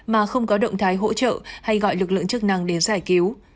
mà không có động thái hỗ trợ hay gọi lực lượng chức năng đến giải cứu